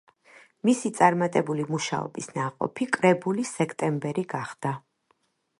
მისი წარმატებული მუშაობის ნაყოფი კრებული „სექტემბერი“ გახდა.